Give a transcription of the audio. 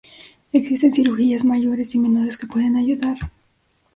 Existen cirugías mayores y menores que pueden ayudar.